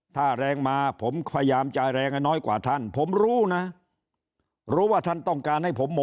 ถ้าแรงมาผมพยายามจ่ายแรงน้อยกว่าท่านผมรู้นะ